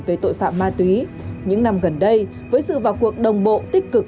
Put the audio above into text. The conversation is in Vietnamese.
về tội phạm ma túy những năm gần đây với sự vào cuộc đồng bộ tích cực